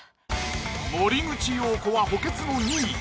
森口瑤子は補欠の２位。